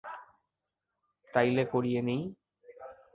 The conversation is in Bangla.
তাইলে করিয়ে নেই?